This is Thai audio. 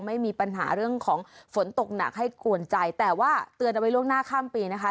ไม่มีปัญหาเรื่องของฝนตกหนักให้กวนใจแต่ว่าเตือนเอาไว้ล่วงหน้าข้ามปีนะคะ